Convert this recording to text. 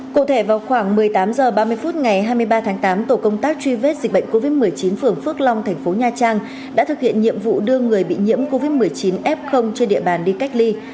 cụ thể vào khoảng một mươi tám h ba mươi phút ngày hai mươi ba tháng tám tổ công tác truy vết dịch bệnh covid một mươi chín phường phước long thành phố nha trang đã thực hiện nhiệm vụ đưa người bị nhiễm covid một mươi chín f trên địa bàn đi cách ly